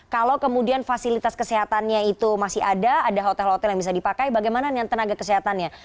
kalau kemudian fasilitas kesehatannya itu masih ada ada hotel hotel yang bisa dipakai bagaimana dengan tenaga kesehatannya